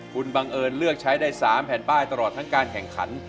คุณบังเอิญเลือกใช้ได้๓แผ่นป้ายตลอดทั้งการแข่งขัน